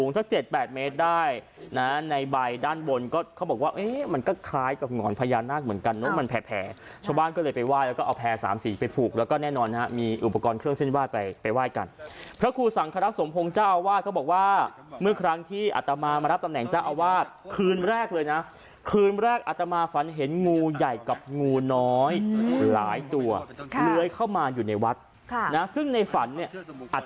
ชาวบ้านก็เลยไปไหว้แล้วก็เอาแพ้สามสีไปผูกแล้วก็แน่นอนนะฮะมีอุปกรณ์เครื่องเส้นวาดไปไปไหว้กันพระครูสังครสมพงศ์เจ้าอาวาสก็บอกว่าเมื่อครั้งที่อัตตามามารับตำแหน่งเจ้าอาวาสคืนแรกเลยนะคืนแรกอัตตามาฝันเห็นงูใหญ่กับงูน้อยหลายตัวค่ะเลยเข้ามาอยู่ในวัดค่ะนะซึ่งในฝันเนี้ยอั